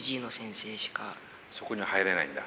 そこに入れないんだ。